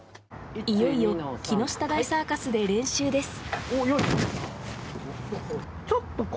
いよいよ木下大サーカスで練習です